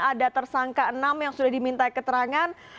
ada tersangka enam yang sudah diminta keterangan